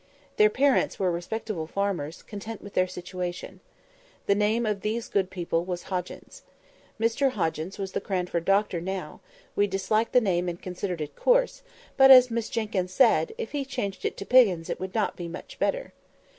Their parents were respectable farmers, content with their station. The name of these good people was Hoggins. Mr Hoggins was the Cranford doctor now; we disliked the name and considered it coarse; but, as Miss Jenkyns said, if he changed it to Piggins it would not be much better.